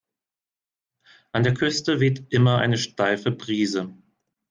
An der Küste weht immer eine steife Brise.